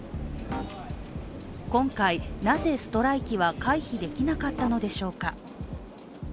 今回、なぜストライキは回避できなかったのでしょうか。